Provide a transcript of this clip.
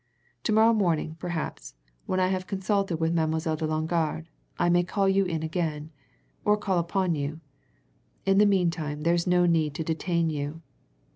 To morrow morning, perhaps, when I have consulted with Mademoiselle de Longarde, I may call you in again or call upon you. In the meantime, there's no need to detain you.